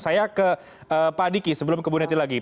saya ke pak adiki sebelum kebuneti lagi